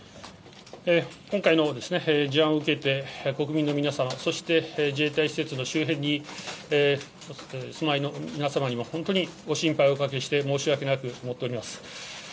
今回の事案を受けて、国民の皆様、そして自衛隊施設の周辺にお住まいの皆様にも、本当にご心配をおかけして申し訳なく思っております。